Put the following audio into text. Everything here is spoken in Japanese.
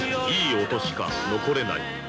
「いい音しか残れない。